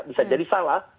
bisa jadi salah